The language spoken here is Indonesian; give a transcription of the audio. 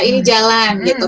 ini jalan gitu